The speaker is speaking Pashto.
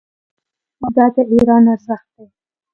دا د ایران ارزښت دی.